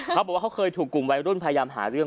เขาบอกว่าเขาเคยถูกกลุ่มวัยรุ่นพยายามหาเรื่อง